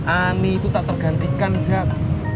ani itu tak tergantikan jab